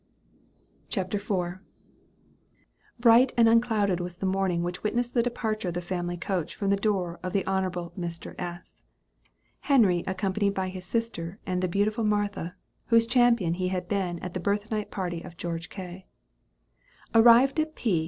CHAPTER IV. Bright and unclouded was the morning which witnessed the departure of the family coach from the door of the Hon. Mr. S. Henry accompanied by his sister and the beautiful Martha, whose champion he had been at the birth night party of George K. Arrived at P.